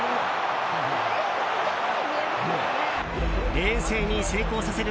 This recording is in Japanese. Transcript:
冷静に成功させる